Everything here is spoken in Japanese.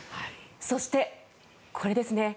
そして、これですね。